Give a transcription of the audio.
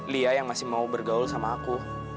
lia yang masih mau bergaul sama aku